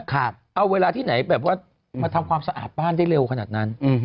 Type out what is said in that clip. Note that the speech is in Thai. เอาเวลาที่ไหนแบบว่ามาทำความสะอาดบ้านได้เร็วขนาดนั้น